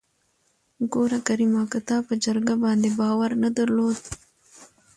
ګوره کريمه که تا په جرګه باندې باور نه درلوده.